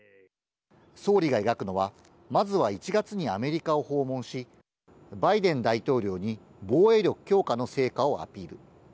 総理が描くのは、まずは１月にアメリカを訪問し、バイデン大統領に防衛力強化の成果をアピール。